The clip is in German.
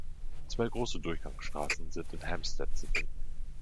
Zwei große Durchgangsstraßen sind in Hampstead zu finden.